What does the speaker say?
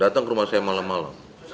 datang ke rumah saya malam malam